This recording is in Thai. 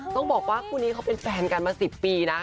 ต้องบอกว่าคู่นี้เขาเป็นแฟนกันมา๑๐ปีนะ